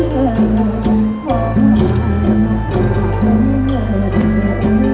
สวัสดีครับ